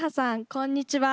こんにちは。